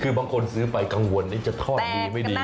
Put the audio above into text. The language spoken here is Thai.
คือบางคนซื้อไปกังวลนี่จะทอดดีไม่ดี